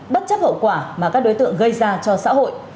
bất chấp hậu quả mà các đối tượng gây ra cho xã hội